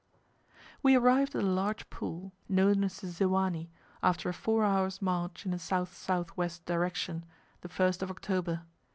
We arrived at a large pool, known as the Ziwani, after a four hours' march in a S.S.W. direction, the 1st of October.